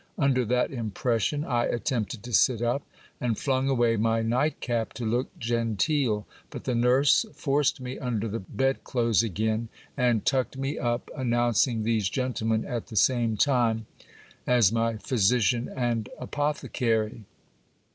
Under that impression I attempted to sit up, and flung away my nightcap to look genteel ; but the nurse forced me under the bedclothes again, and tucked me up, announcing these gentlemen at the same time, as my physician and apothecary.